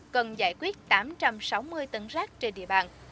cần giải quyết tám trăm sáu mươi tấn rác trên địa bàn